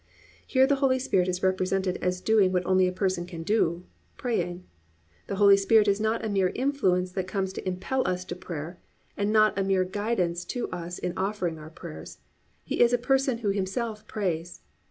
"+ Here the Holy Spirit is represented as doing what only a person can do, praying. The Holy Spirit is not a mere influence that comes to impel us to prayer, and not a mere guidance to us in offering our prayers. _He is a person who Himself prays.